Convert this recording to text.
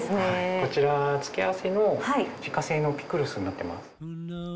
こちらつけあわせの自家製のピクルスになってます。